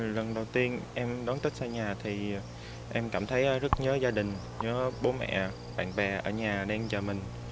lần đầu tiên em đón tết xa nhà thì em cảm thấy rất nhớ gia đình nhớ bố mẹ bạn bè ở nhà đang chờ mình